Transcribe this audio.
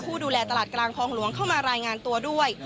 ดูแลตลาดกลางคลองหลวงเข้ามารายงานตัวด้วย